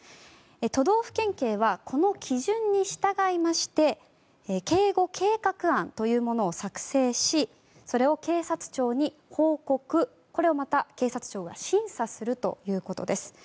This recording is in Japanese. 都道府県警はこの基準に従いまして警護計画案というものを作成しそれを警察庁に報告しそれをまた警察庁が審査するということです。